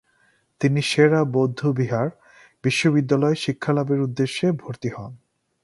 তিনি সে-রা বৌদ্ধবিহার বিশ্ববিদ্যালয়ে শিক্ষালাভের উদ্দেশ্যে ভর্তি হন।